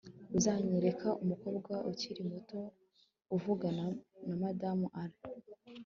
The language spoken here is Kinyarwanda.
Uzanyereka umukobwa ukiri muto uvugana na Madamu Allen